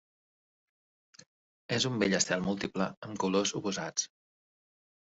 És un bell estel múltiple amb colors oposats.